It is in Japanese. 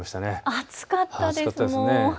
暑かったですね。